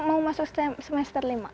mau masuk semester lima